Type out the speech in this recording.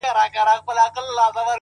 خپل مسیر په باور وټاکئ.!